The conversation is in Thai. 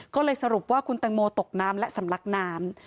ก็เลยสรุปว่าคุณแตงโมตกน้ำและสำลักน้ำ